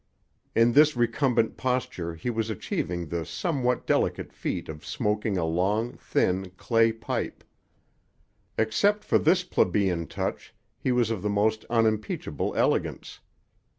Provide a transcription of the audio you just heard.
In this recumbent posture he was achieving the somewhat delicate feat of smoking a long, thin clay pipe. Except for this plebeian touch he was of the most unimpeachable elegance.